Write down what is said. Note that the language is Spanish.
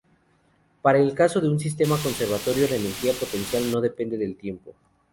Para el caso de un sistema conservativo la energía potencial no depende del tiempo.